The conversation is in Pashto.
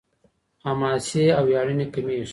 حماسي او وياړني کمېږي.